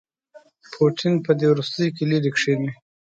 پوټین په دې وروستیوکې لیرې کښيني.